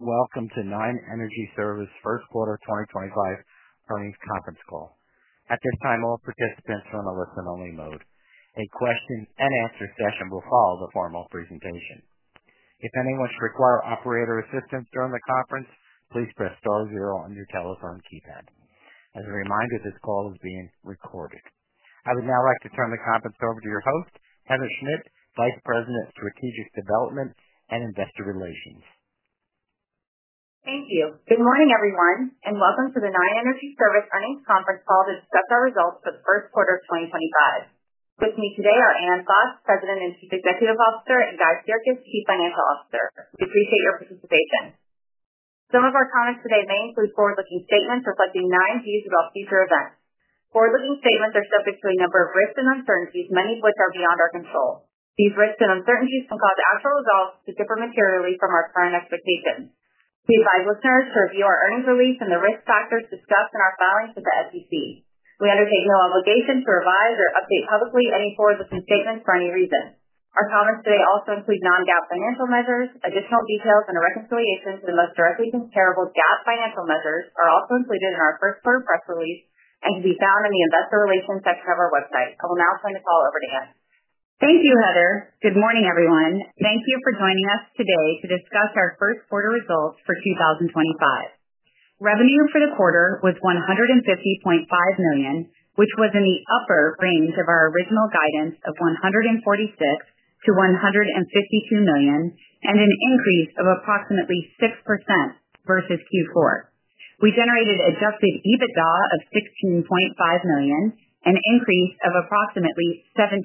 Welcome to Nine Energy Service First Quarter 2025 Earnings Conference Call. At this time, all participants are in a listen-only mode. A question-and-answer session will follow the formal presentation. If anyone should require operator assistance during the conference, please press star zero on your telephone keypad. As a reminder, this call is being recorded. I would now like to turn the conference over to your host, Heather Schmidt, Vice President of Strategic Development and Investor Relations. Thank you. Good morning, everyone, and welcome to the Nine Energy Service earnings conference call to discuss our results for the First Quarter of 2025. With me today are Ann Fox, President and Chief Executive Officer, and Guy Sirkes, Chief Financial Officer. We appreciate your participation. Some of our comments today may include forward-looking statements reflecting Nine's views about future events. Forward-looking statements are subject to a number of risks and uncertainties, many of which are beyond our control. These risks and uncertainties can cause actual results to differ materially from our current expectations. We advise listeners to review our earnings release and the risk factors discussed in our filings with the SEC. We undertake no obligation to revise or update publicly any forward-looking statements for any reason. Our comments today also include non-GAAP financial measures. Additional details and a reconciliation to the most directly comparable GAAP financial measures are also included in our first-quarter press release and can be found in the Investor Relations section of our website. I will now turn the call over to Ann. Thank you, Heather. Good morning, everyone. Thank you for joining us today to discuss our first-quarter results for 2025. Revenue for the quarter was $150.5 million, which was in the upper range of our original guidance of $146 to $152 million, and an increase of approximately 6% versus Q4. We generated Adjusted EBITDA of $16.5 million, an increase of approximately 17%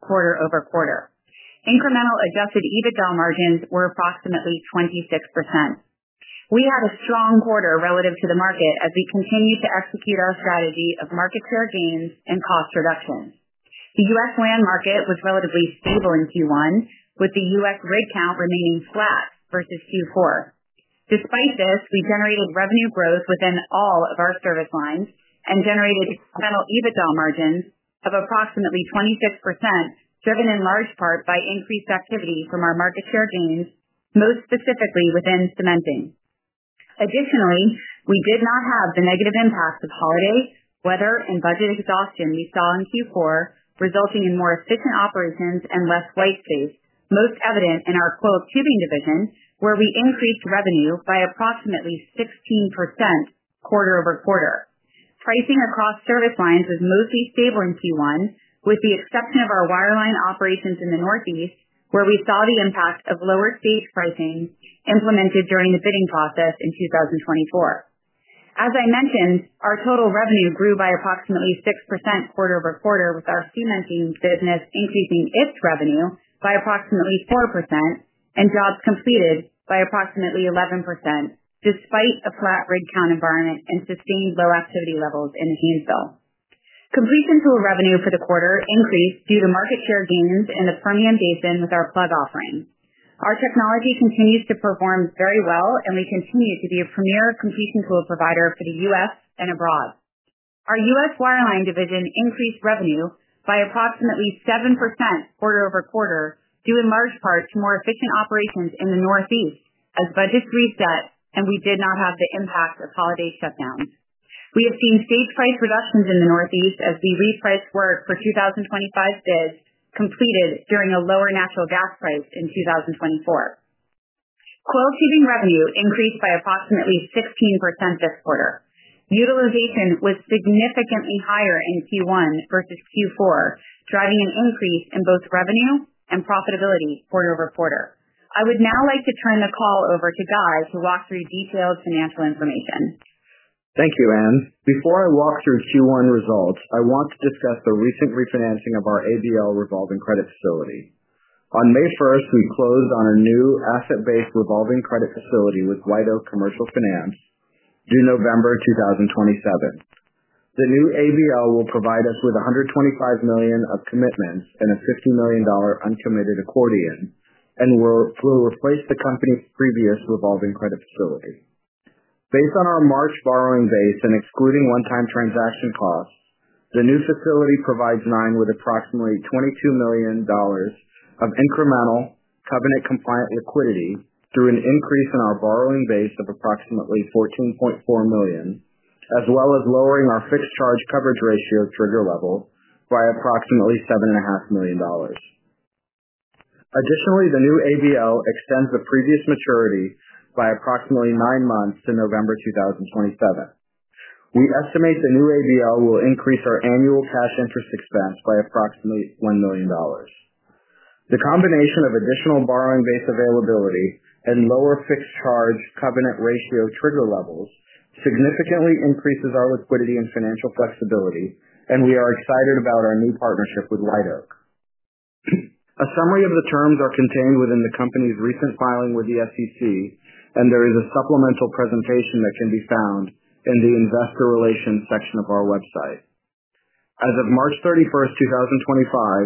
quarter over quarter. Incremental Adjusted EBITDA margins were approximately 26%. We had a strong quarter relative to the market as we continued to execute our strategy of market share gains and cost reductions. The U.S. land market was relatively stable in Q1, with the U.S. rig count remaining flat versus Q4. Despite this, we generated revenue growth within all of our service lines and generated incremental EBITDA margins of approximately 26%, driven in large part by increased activity from our market share gains, most specifically within cementing. Additionally, we did not have the negative impacts of holiday, weather, and budget exhaustion we saw in Q4, resulting in more efficient operations and less white space, most evident in our coiled tubing division, where we increased revenue by approximately 16% quarter over quarter. Pricing across service lines was mostly stable in Q1, with the exception of our wireline operations in the Northeast, where we saw the impact of lower stage pricing implemented during the bidding process in 2024. As I mentioned, our total revenue grew by approximately 6% quarter over quarter, with our cementing business increasing its revenue by approximately 4% and jobs completed by approximately 11%, despite a flat rig count environment and sustained low activity levels in Haynesville. Completion tool revenue for the quarter increased due to market share gains in the Permian Basin with our plug offering. Our technology continues to perform very well, and we continue to be a premier completion tool provider for the U.S. and abroad. Our U.S. wireline division increased revenue by approximately 7% quarter over quarter, due in large part to more efficient operations in the Northeast as budgets reset, and we did not have the impact of holiday shutdowns. We have seen stage price reductions in the Northeast as we repriced work for 2025 bids completed during a lower natural gas price in 2024. Coil tubing revenue increased by approximately 16% this quarter. Utilization was significantly higher in Q1 versus Q4, driving an increase in both revenue and profitability quarter over quarter. I would now like to turn the call over to Guy to walk through detailed financial information. Thank you, Ann. Before I walk through Q1 results, I want to discuss the recent refinancing of our ABL revolving credit facility. On May 1st, we closed on our new asset-based revolving credit facility with Wido Commercial Finance due November 2027. The new ABL will provide us with $125 million of commitments and a $50 million uncommitted accordion, and will replace the company's previous revolving credit facility. Based on our March borrowing base and excluding one-time transaction costs, the new facility provides Nine with approximately $22 million of incremental covenant-compliant liquidity through an increase in our borrowing base of approximately $14.4 million, as well as lowering our fixed charge coverage ratio trigger level by approximately $7.5 million. Additionally, the new ABL extends the previous maturity by approximately nine months to November 2027. We estimate the new ABL will increase our annual cash interest expense by approximately $1 million. The combination of additional borrowing base availability and lower fixed charge covenant ratio trigger levels significantly increases our liquidity and financial flexibility, and we are excited about our new partnership with Wido. A summary of the terms is contained within the company's recent filing with the SEC, and there is a supplemental presentation that can be found in the Investor Relations section of our website. As of March 31st,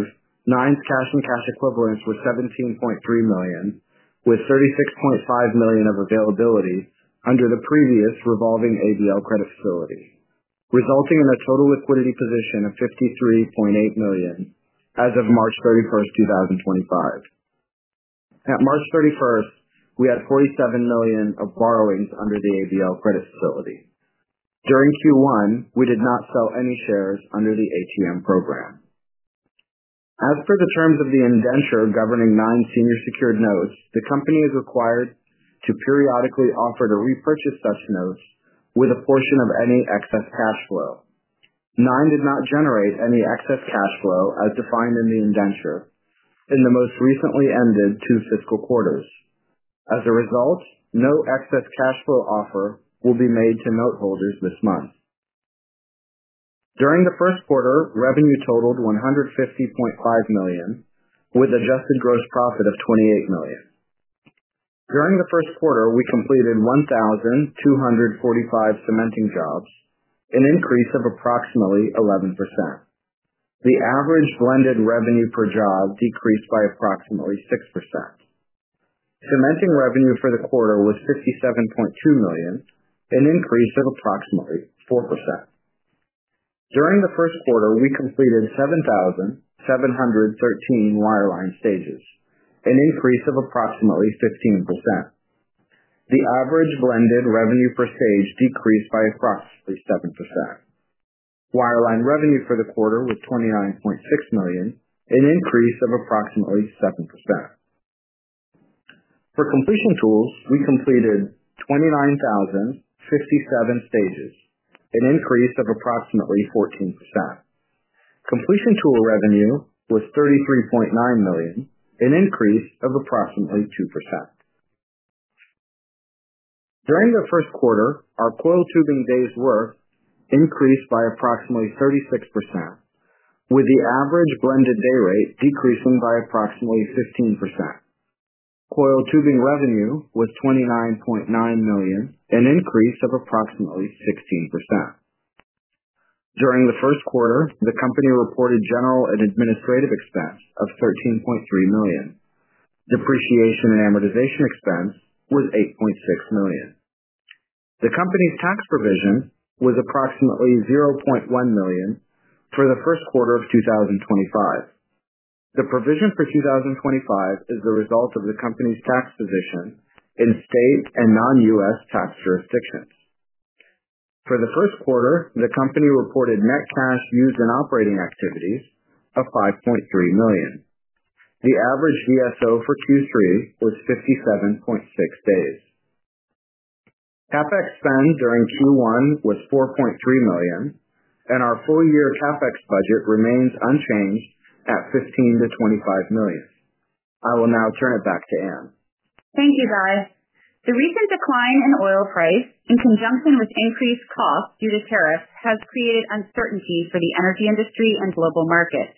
2025, Nine's cash and cash equivalents were $17.3 million, with $36.5 million of availability under the previous revolving ABL credit facility, resulting in a total liquidity position of $53.8 million as of March 31st, 2025. At March 31st, we had $47 million of borrowings under the ABL credit facility. During Q1, we did not sell any shares under the ATM program. As per the terms of the indenture governing Nine's senior secured notes, the company is required to periodically offer to repurchase such notes with a portion of any excess cash flow. Nine did not generate any excess cash flow as defined in the indenture in the most recently ended two fiscal quarters. As a result, no excess cash flow offer will be made to noteholders this month. During the first quarter, revenue totaled $150.5 million, with adjusted gross profit of $28 million. During the first quarter, we completed 1,245 cementing jobs, an increase of approximately 11%. The average blended revenue per job decreased by approximately 6%. Cementing revenue for the quarter was $57.2 million, an increase of approximately 4%. During the first quarter, we completed 7,713 wireline stages, an increase of approximately 15%. The average blended revenue per stage decreased by approximately 7%. Wireline revenue for the quarter was $29.6 million, an increase of approximately 7%. For completion tools, we completed 29,057 stages, an increase of approximately 14%. Completion tool revenue was $33.9 million, an increase of approximately 2%. During the first quarter, our coil tubing days' worth increased by approximately 36%, with the average blended day rate decreasing by approximately 15%. Coil tubing revenue was $29.9 million, an increase of approximately 16%. During the first quarter, the company reported general and administrative expense of $13.3 million. Depreciation and amortization expense was $8.6 million. The company's tax provision was approximately $0.1 million for the first quarter of 2025. The provision for 2025 is the result of the company's tax position in state and non-U.S. tax jurisdictions. For the first quarter, the company reported net cash used in operating activities of $5.3 million. The average VSO for Q3 was 57.6 days. CapEx spend during Q1 was $4.3 million, and our full-year CapEx budget remains unchanged at $15-$25 million. I will now turn it back to Ann. Thank you, Guy. The recent decline in oil price, in conjunction with increased costs due to tariffs, has created uncertainty for the energy industry and global markets.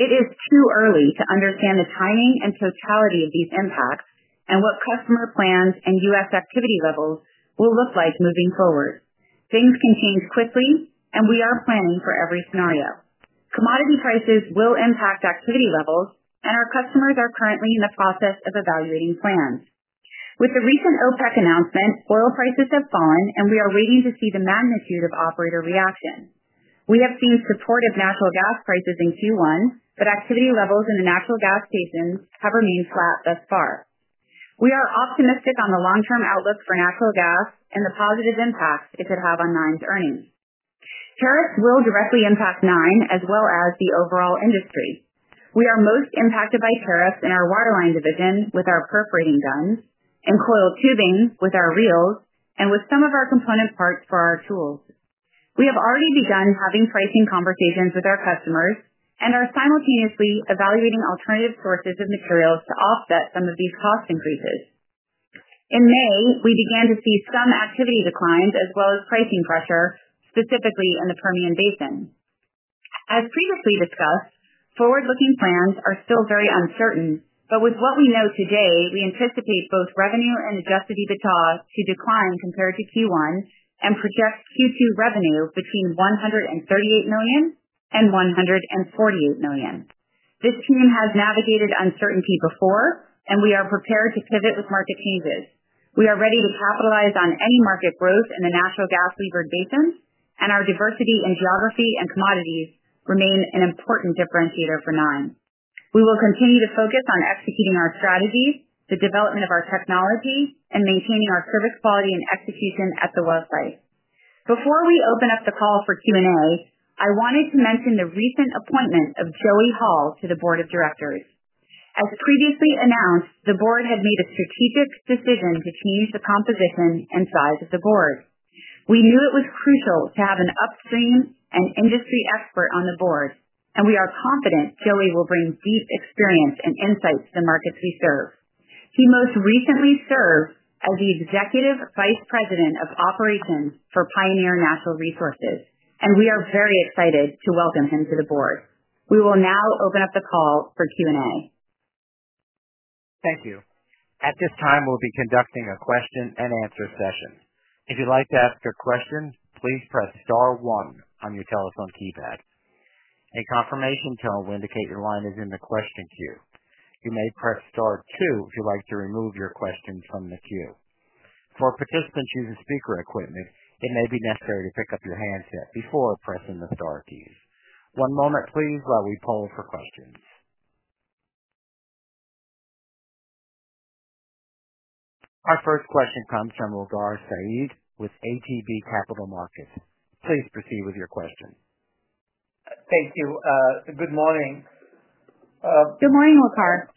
It is too early to understand the timing and totality of these impacts and what customer plans and U.S. activity levels will look like moving forward. Things can change quickly, and we are planning for every scenario. Commodity prices will impact activity levels, and our customers are currently in the process of evaluating plans. With the recent OPEC announcement, oil prices have fallen, and we are waiting to see the magnitude of operator reaction. We have seen supportive natural gas prices in Q1, but activity levels in the natural gas stations have remained flat thus far. We are optimistic on the long-term outlook for natural gas and the positive impacts it could have on Nine's earnings. Tariffs will directly impact Nine, as well as the overall industry. We are most impacted by tariffs in our wireline division with our perforating guns and coil tubing with our reels and with some of our component parts for our tools. We have already begun having pricing conversations with our customers and are simultaneously evaluating alternative sources of materials to offset some of these cost increases. In May, we began to see some activity declines, as well as pricing pressure, specifically in the Permian Basin. As previously discussed, forward-looking plans are still very uncertain, but with what we know today, we anticipate both revenue and Adjusted EBITDA to decline compared to Q1 and project Q2 revenue between $138 million and $148 million. This team has navigated uncertainty before, and we are prepared to pivot with market changes. We are ready to capitalize on any market growth in the natural gas-levered basin, and our diversity in geography and commodities remain an important differentiator for Nine. We will continue to focus on executing our strategies, the development of our technology, and maintaining our service quality and execution at the website. Before we open up the call for Q&A, I wanted to mention the recent appointment of Joey Hall to the board of directors. As previously announced, the board had made a strategic decision to change the composition and size of the board. We knew it was crucial to have an upstream and industry expert on the board, and we are confident Joey will bring deep experience and insights to the markets we serve. He most recently served as the Executive Vice President of Operations for Pioneer Natural Resources, and we are very excited to welcome him to the board. We will now open up the call for Q&A. Thank you. At this time, we'll be conducting a question-and-answer session. If you'd like to ask a question, please press Star 1 on your telephone keypad. A confirmation tone will indicate your line is in the question queue. You may press Star 2 if you'd like to remove your questions from the queue. For participants using speaker equipment, it may be necessary to pick up your handset before pressing the Star keys. One moment, please, while we poll for questions. Our first question comes from Waqar Syed with ATB Capital Markets. Please proceed with your question. Thank you. Good morning. Good morning, Waqar.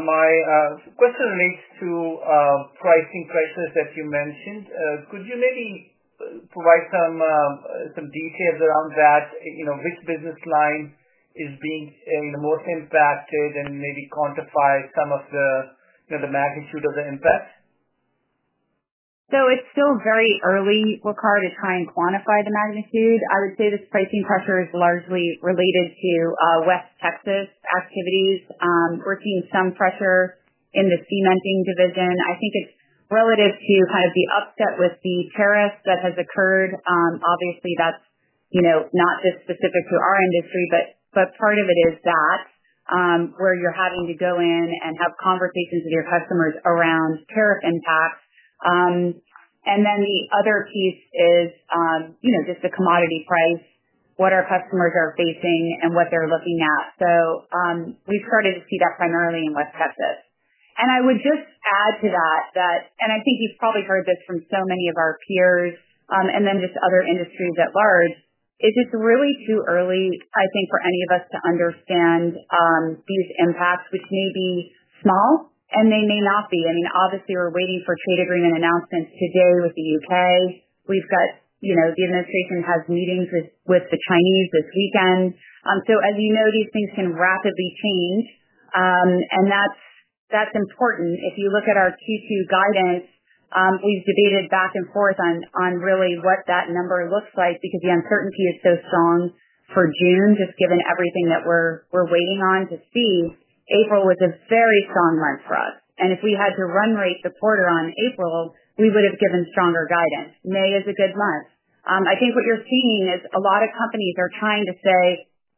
My question relates to pricing pressures that you mentioned. Could you maybe provide some details around that, which business line is being most impacted and maybe quantify some of the magnitude of the impact? It is still very early, Waqar, to try and quantify the magnitude. I would say this pricing pressure is largely related to West Texas activities. We are seeing some pressure in the cementing division. I think it is relative to kind of the upset with the tariffs that has occurred. Obviously, that is not just specific to our industry, but part of it is that where you are having to go in and have conversations with your customers around tariff impacts. The other piece is just the commodity price, what our customers are facing and what they are looking at. We have started to see that primarily in West Texas. I would just add to that that, and I think you've probably heard this from so many of our peers and then just other industries at large, it is really too early, I think, for any of us to understand these impacts, which may be small and they may not be. I mean, obviously, we're waiting for trade agreement announcements today with the U.K. We've got the administration has meetings with the Chinese this weekend. As you know, these things can rapidly change, and that's important. If you look at our Q2 guidance, we've debated back and forth on really what that number looks like because the uncertainty is so strong for June, just given everything that we're waiting on to see. April was a very strong month for us. If we had to run rate the quarter on April, we would have given stronger guidance. May is a good month. I think what you're seeing is a lot of companies are trying to say,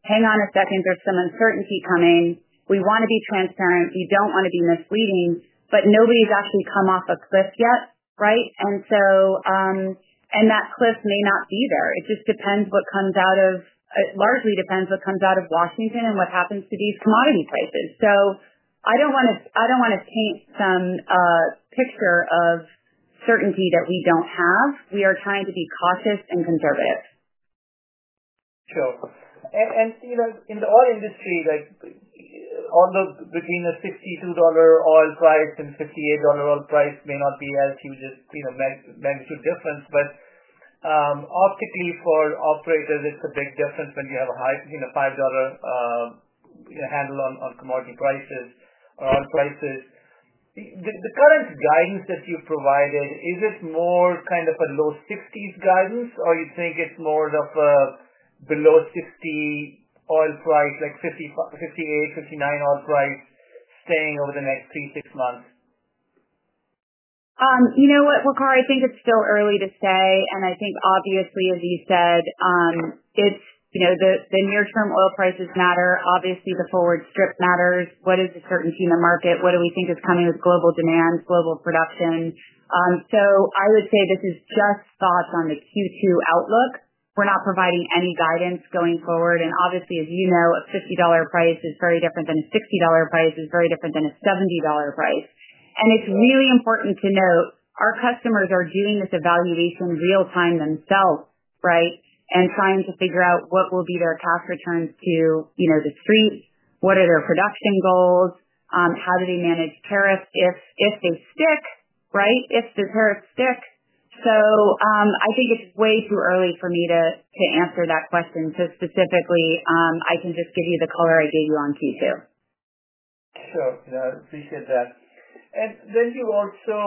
"Hang on a second, there's some uncertainty coming. We want to be transparent. We don't want to be misleading," but nobody's actually come off a cliff yet, right? That cliff may not be there. It just depends what comes out of it, largely depends what comes out of Washington and what happens to these commodity prices. I don't want to paint some picture of certainty that we don't have. We are trying to be cautious and conservative. Sure. In the oil industry, although between a $62 oil price and $58 oil price may not be as huge a magnitude difference, optically for operators, it is a big difference when you have a $5 handle on commodity prices or oil prices. The current guidance that you provided, is it more kind of a low $60s guidance, or do you think it is more of a below $60 oil price, like $58, $59 oil price staying over the next three to six months? You know what, Waqar? I think it's still early to say. I think, obviously, as you said, the near-term oil prices matter. Obviously, the forward strip matters. What is the certainty in the market? What do we think is coming with global demand, global production? I would say this is just thoughts on the Q2 outlook. We're not providing any guidance going forward. Obviously, as you know, a $50 price is very different than a $60 price, is very different than a $70 price. It's really important to note our customers are doing this evaluation real-time themselves, right, and trying to figure out what will be their cash returns to the street, what are their production goals, how do they manage tariffs if they stick, right, if the tariffs stick. I think it's way too early for me to answer that question. Specifically, I can just give you the color I gave you on Q2. Sure. No, I appreciate that. You also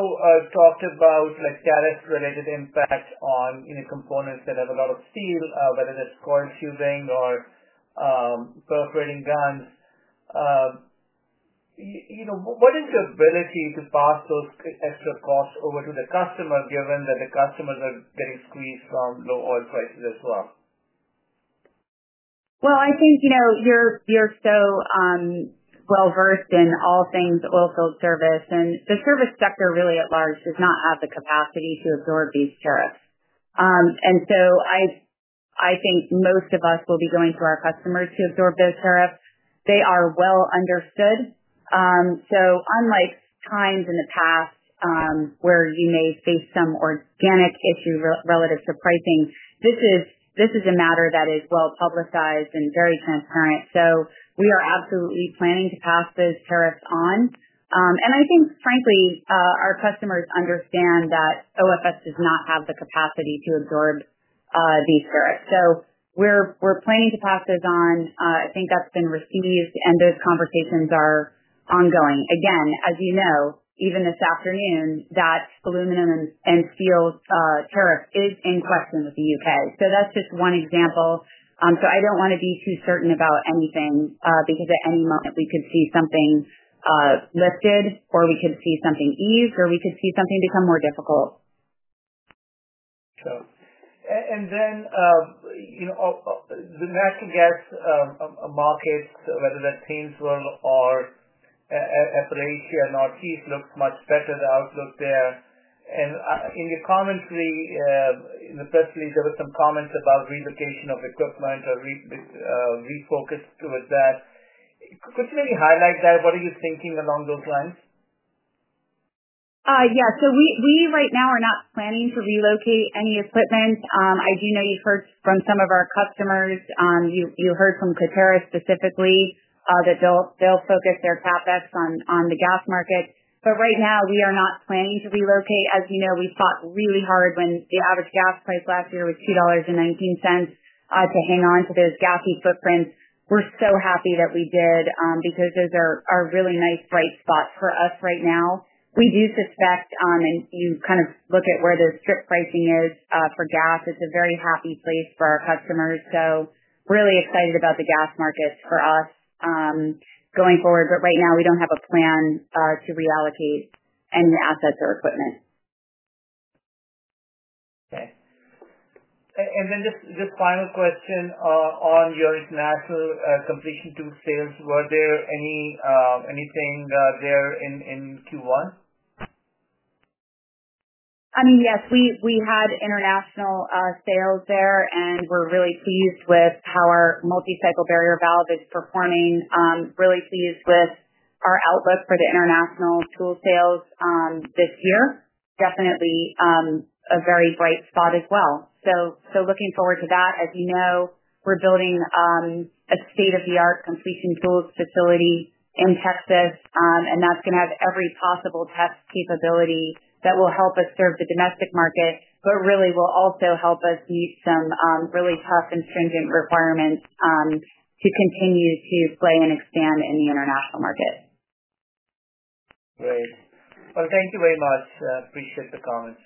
talked about tariff-related impact on components that have a lot of steel, whether that's coil tubing or perforating guns. What is your ability to pass those extra costs over to the customer, given that the customers are getting squeezed from low oil prices as well? I think you're so well-versed in all things oilfield service, and the service sector really at large does not have the capacity to absorb these tariffs. I think most of us will be going to our customers to absorb those tariffs. They are well understood. Unlike times in the past where you may face some organic issue relative to pricing, this is a matter that is well-publicized and very transparent. We are absolutely planning to pass those tariffs on. I think, frankly, our customers understand that OFS does not have the capacity to absorb these tariffs. We're planning to pass those on. I think that's been received, and those conversations are ongoing. Again, as you know, even this afternoon, that aluminum and steel tariff is in question with the U.K. That's just one example. I don't want to be too certain about anything because at any moment we could see something lifted, or we could see something eased, or we could see something become more difficult. Sure. And then the natural gas markets, whether that's Haynesville or Appalachia Northeast, looks much better, the outlook there. And in your commentary, in the press release, there were some comments about relocation of equipment or refocus towards that. Could you maybe highlight that? What are you thinking along those lines? Yeah. So we right now are not planning to relocate any equipment. I do know you've heard from some of our customers. You heard from Coterra specifically that they'll focus their CapEx on the gas market. Right now, we are not planning to relocate. As you know, we fought really hard when the average gas price last year was $2.19 to hang on to those gassy footprints. We're so happy that we did because those are really nice bright spots for us right now. We do suspect, and you kind of look at where the strip pricing is for gas, it's a very happy place for our customers. Really excited about the gas markets for us going forward. Right now, we don't have a plan to reallocate any assets or equipment. Okay. And then just final question on your international completion tool sales. Were there anything there in Q1? I mean, yes, we had international sales there, and we're really pleased with how our multi-cycle barrier valve is performing, really pleased with our outlook for the international tool sales this year. Definitely a very bright spot as well. Looking forward to that. As you know, we're building a state-of-the-art completion tools facility in Texas, and that's going to have every possible test capability that will help us serve the domestic market, but really will also help us meet some really tough and stringent requirements to continue to play and expand in the international market. Great. Thank you very much. Appreciate the comments.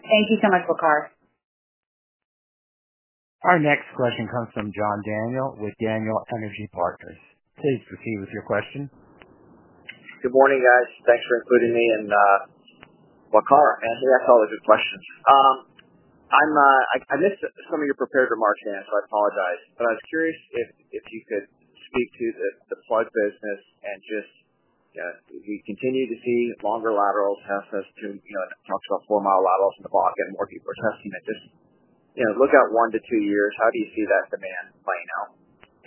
Thank you so much, Waqar. Our next question comes from John Daniel with Daniel Energy Partners. Please proceed with your question. Good morning, guys. Thanks for including me in, Waqar. Man, that's all the good questions. I missed some of your prepared remarks, man, so I apologize. I was curious if you could speak to the plug business and just, we continue to see longer laterals as opposed to talking about four-mile laterals in the bog and more people are testing it. Just look at one to two years. How do you see that demand playing out?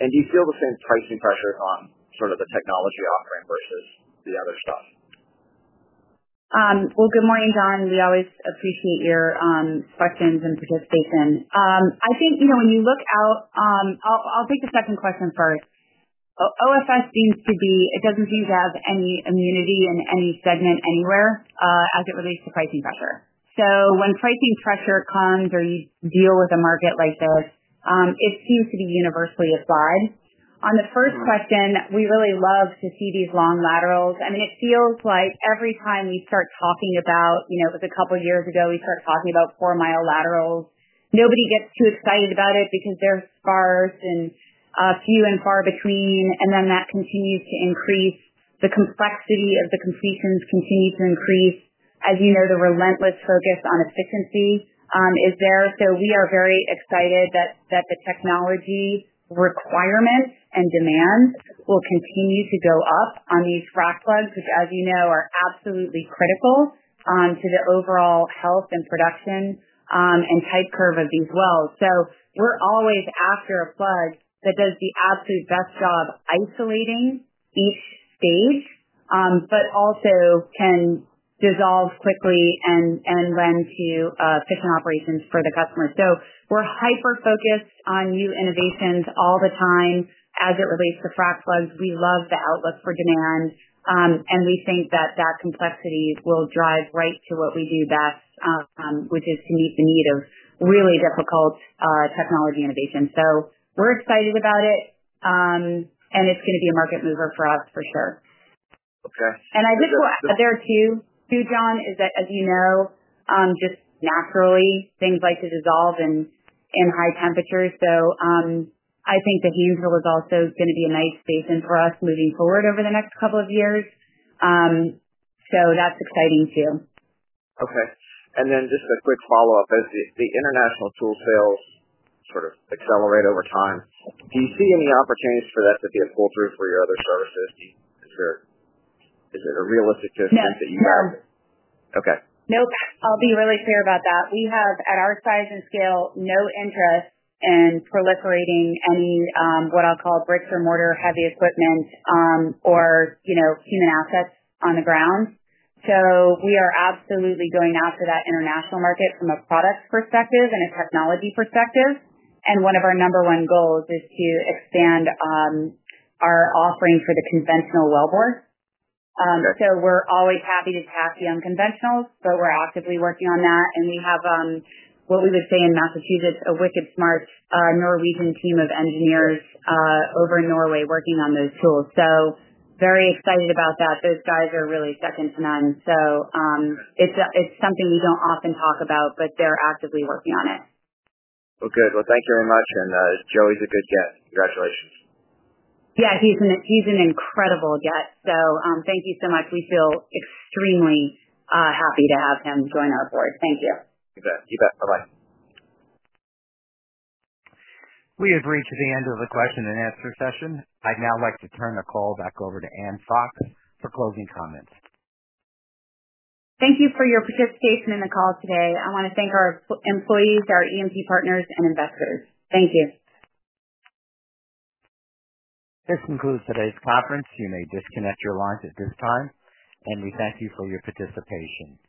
Do you feel the same pricing pressures on sort of the technology offering versus the other stuff? Good morning, John. We always appreciate your questions and participation. I think when you look out, I'll take the second question first. OFS seems to be it doesn't seem to have any immunity in any segment anywhere as it relates to pricing pressure. When pricing pressure comes or you deal with a market like this, it seems to be universally applied. On the first question, we really love to see these long laterals. I mean, it feels like every time we start talking about it, it was a couple of years ago we started talking about four-mile laterals. Nobody gets too excited about it because they're sparse and few and far between, and then that continues to increase. The complexity of the completions continues to increase. As you know, the relentless focus on efficiency is there. We are very excited that the technology requirements and demands will continue to go up on these frac plugs, which, as you know, are absolutely critical to the overall health and production and tight curve of these wells. We are always after a plug that does the absolute best job isolating each stage, but also can dissolve quickly and lend to efficient operations for the customer. We are hyper-focused on new innovations all the time as it relates to frac plugs. We love the outlook for demand, and we think that that complexity will drive right to what we do best, which is to meet the need of really difficult technology innovation. We are excited about it, and it is going to be a market mover for us for sure. I just want to add there too, John, that, as you know, just naturally, things like to dissolve in high temperatures. I think the Haynesville is also going to be a nice basin for us moving forward over the next couple of years. That is exciting too. Okay. And then just a quick follow-up. As the international tool sales sort of accelerate over time, do you see any opportunities for that to be a pull-through for your other services? Is it realistic to think that you have? No. Okay. Nope. I'll be really clear about that. We have, at our size and scale, no interest in proliferating any what I'll call bricks-and-mortar heavy equipment or human assets on the ground. We are absolutely going after that international market from a product perspective and a technology perspective. One of our number one goals is to expand our offering for the conventional wellbore. We're always happy to tap the unconventionals, but we're actively working on that. We have, what we would say in Massachusetts, a wicked smart Norwegian team of engineers over in Norway working on those tools. Very excited about that. Those guys are really second to none. It's something we don't often talk about, but they're actively working on it. Thank you very much. Joey's a good guest. Congratulations. Yeah. He's an incredible guest. Thank you so much. We feel extremely happy to have him join our board. Thank you. You bet. You bet. Bye-bye. We have reached the end of the question and answer session. I'd now like to turn the call back over to Ann Fox for closing comments. Thank you for your participation in the call today. I want to thank our employees, our E&P partners, and investors. Thank you. This concludes today's conference. You may disconnect your lines at this time, and we thank you for your participation.